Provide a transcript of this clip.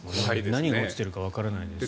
何が落ちているかわからないですし。